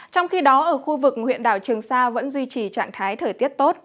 trong khi đó ở khu vực huyện đảo trường sa vẫn duy trì trạng thái thời tiết tốt